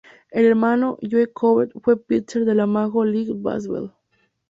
El hermano, Joe Corbett, fue pitcher de la Major League Baseball.